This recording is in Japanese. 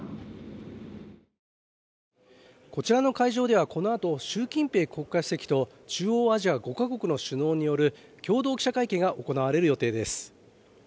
こちらの会場ではこのあと習近平国家主席と中央アジア５か国の首脳による共同記者会見が行われる予定です。